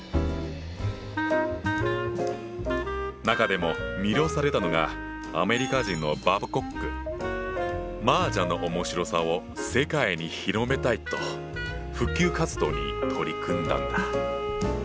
中でも魅了されたのがアメリカ人の麻雀の面白さを世界に広めたいと普及活動に取り組んだんだ。